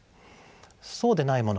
そうでないもの